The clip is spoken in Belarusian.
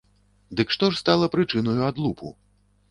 Дык што ж стала прычынаю адлупу?